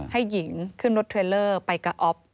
หญิงขึ้นรถเทรลเลอร์ไปกับอ๊อฟ